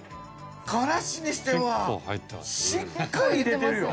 からしにしてはしっかり入れてるよ。